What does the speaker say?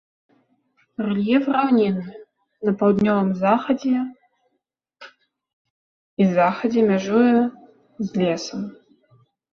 Рэльеф раўнінны, на паўднёвым захадзе і захадзе мяжуе з лесам.